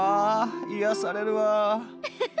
癒やされるわ。